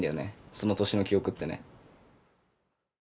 その年の記憶ってね。